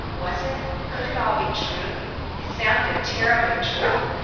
Was it—could it all be true? It sounded terribly true.